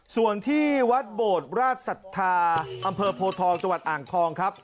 ส่วนที่วัดโบดราชศรัทธาอำเภอโพทองจังหวัดอ่างทองครับ